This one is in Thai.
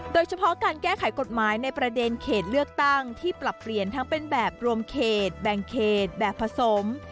โดยเฉพาะการแก้ไขกฎหมายในประเด็นเขตเลือกตั้งที่ปรับเปลี่ยนทั้งเป็นแบบรวมเขตแบ่งเขตแบบผสม